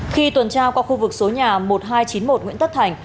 khi tuần tra qua khu vực số nhà một nghìn hai trăm chín mươi một nguyễn tất thành